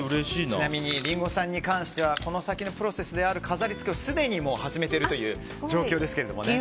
ちなみにリンゴさんに関してはこの先のプロセスである飾り付けをすでに始めているという状況ですけどね。